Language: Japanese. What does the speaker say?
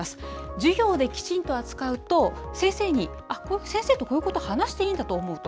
授業できちんと扱うと、先生に、先生とこういうことを話していいんだと思うと。